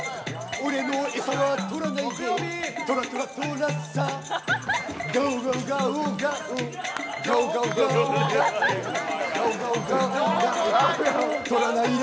俺の餌はとらないで。